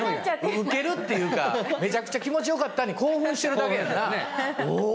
ウケるっていうか「めちゃくちゃ気持ちよかった」に興奮してるだけやんなぁ。